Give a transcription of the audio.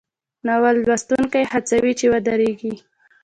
ناول لوستونکی هڅوي چې ودریږي.